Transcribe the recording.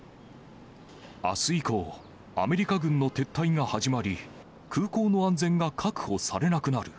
あす以降、アメリカ軍の撤退が始まり、空港の安全が確保されなくなる。